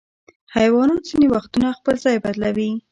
حیوانات ځینې وختونه خپل ځای بدلوي.